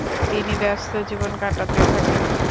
তিনি ব্যস্ত জীবন কাটাতে থাকেন।